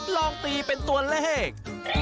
ลองตีเป็นตัวเลข